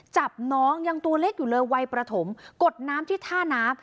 จับน้องยังตัวเล็กอยู่เลยวัยประถมกดน้ำที่ท่าน้ำ